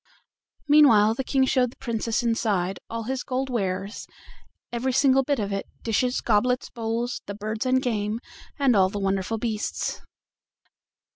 Meanwhile the King showed the Princess inside all his gold wares, every single bit of it dishes, goblets, bowls, the birds and game, and all the wonderful beasts.